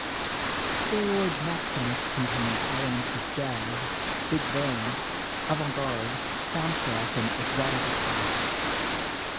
Steroid Maximus contains elements of jazz, big band, avant-garde, soundtrack and exotica styles.